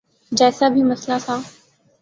جیسا بھی مسئلہ تھا۔